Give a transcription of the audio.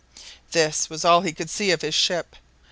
This was all he could see of his ship.